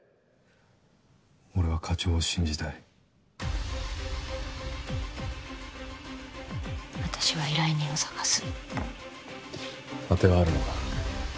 俺は課長を信じたい私は依頼人を捜すあてはあるのか？